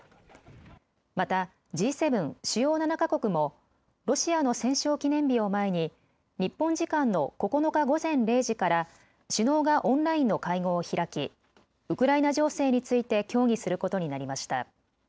またＧ７・主要７か国もロシアの戦勝記念日を前に日本時間の９日午前０時から首脳がオンラインの会合を開きウクライナ情勢について協議することになりました。